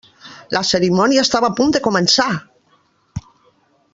La cerimònia estava a punt de començar!